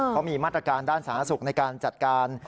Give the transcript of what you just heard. เขามีมาตรการด้านสาธารณสุขในการจัดการ